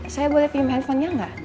saya boleh pilih handphonenya enggak